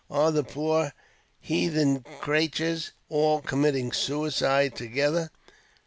Are the poor hathen craturs all committing suicide together?"